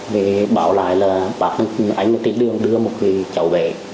về bảo lại là anh có tên đường đưa một cái cháu bé